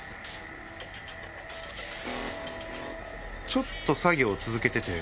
ちょっと作業続けてて。